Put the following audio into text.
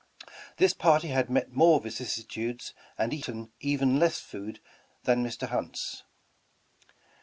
This party had met more vicissitudes and eaten even less food that Mr. Hunt's.